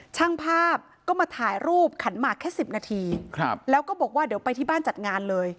ช่างภาพก็มาถ่ายรูปขันหมากแค่สิบนาทีครับแล้วก็บอกว่าเดี๋ยวไปที่บ้านจัดงานเลย